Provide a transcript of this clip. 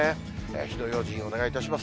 火の用心、お願いいたします。